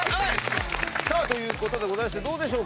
さあということでございましてどうでしょう？